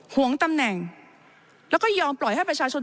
หวงตำแหน่งแล้วก็ยอมปล่อยให้ประชาชน